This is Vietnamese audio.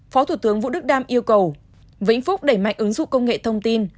phó thủ tướng vũ đức đam yêu cầu vĩnh phúc đẩy mạnh ứng dụng công nghệ thông tin